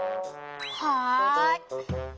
はい。